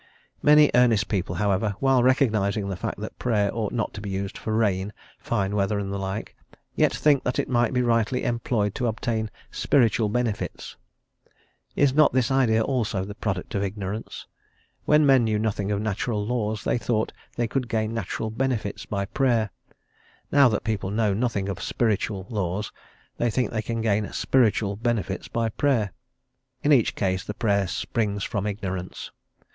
Many earnest people, however, while recognising the fact that Prayer ought not to be used for rain, fine weather, and the like, yet think that it may be rightly employed to obtain "spiritual benefits." Is not this idea also the product of ignorance? When men knew nothing of natural laws they thought they could gain natural benefits by Prayer; now that people know nothing of "spiritual" laws, they think they can gain "spiritual" benefits by Prayer. In each case the Prayer springs from ignorance.